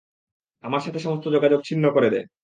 আমার সাথে সমস্ত যোগাযোগ ছিন্ন করে দেয়।